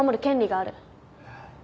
えっ？